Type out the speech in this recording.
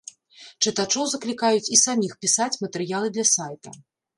Чытачоў заклікаюць і саміх пісаць матэрыялы для сайта.